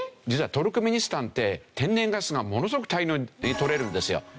実はトルクメニスタンって天然ガスがものすごく大量にとれるんですよ。